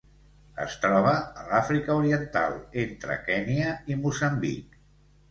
Es troba a l'Àfrica Oriental entre Kenya i Moçambic.